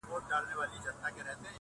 خلك پوه سول چي خبره د قسمت ده.!